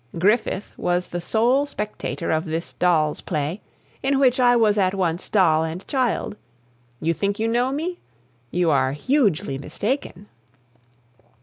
Griffith was the sole spectator of this doll's play, in which I was at once doll and child. You think you know me? You are hugely mistaken.